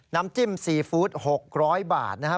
น้ำจิ้มซีฟู้ด๖๐๐บาทนะครับ